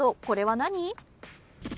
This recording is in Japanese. これは何？